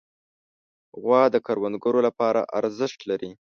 غوا د کروندګرو لپاره ارزښت لري.